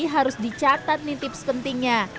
harus dicatat nih tips pentingnya